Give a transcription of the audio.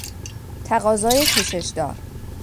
تقاضای کشش دار